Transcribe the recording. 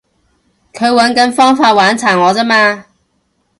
佢搵緊方法玩殘我咋嘛